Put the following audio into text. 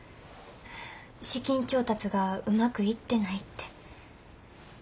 資金調達がうまくいってないって。